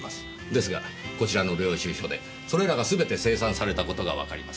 ですがこちらの領収書でそれらが全て清算された事がわかります。